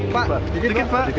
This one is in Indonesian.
pak sedikit pak